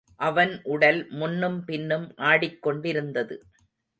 அவன் உடல் முன்னும் பின்னும் ஆடிக் கொண்டிருந்தது.